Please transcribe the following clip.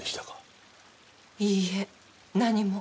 いいえ何も。